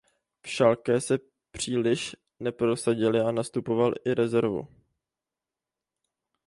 V Schalke se příliš neprosadil a nastupoval i rezervu.